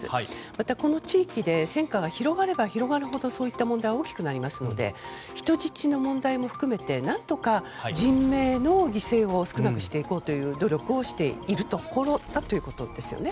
またこの地域で戦火が広がれば広がるほどそういった問題が大きくなりますので人質の問題も含めて何とか人命の犠牲を少なくしていこうという努力をするということですね。